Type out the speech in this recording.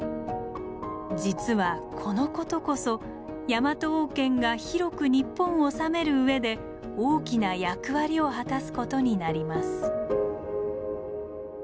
実はこのことこそヤマト王権が広く日本を治めるうえで大きな役割を果たすことになります。